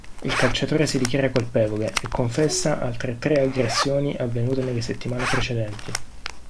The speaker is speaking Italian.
Il calciatore si dichiara colpevole e confessa altre tre aggressioni avvenute nelle settimane precedenti.